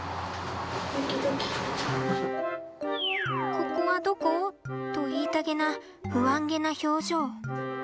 ここはどこ？と言いたげな不安げな表情。